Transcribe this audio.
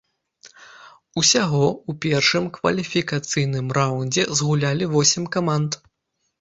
Усяго ў першым кваліфікацыйным раўндзе згулялі восем каманд.